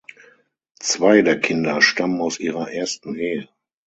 Zwei der Kinder stammen aus ihrer ersten Ehe.